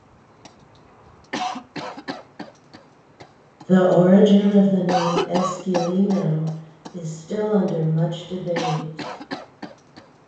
The origin of the name "Esquilino" is still under much debate.